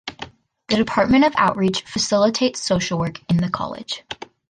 The Department of Outreach facilitates social work in the college.